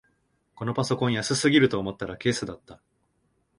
このパソコン安すぎると思ったらケースだった